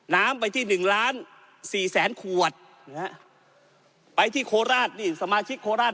น้ำไปที่หนึ่งล้านสี่แสนขวดนะฮะไปที่โคราชนี่สมาชิกโคราช